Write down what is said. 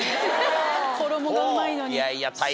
衣がうまいのに。